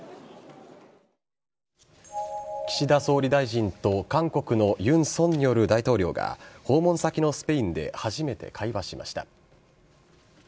岸田総理大臣と韓国の尹錫悦大統領が訪問先のスペインで初めて会話しました。